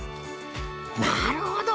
なるほど！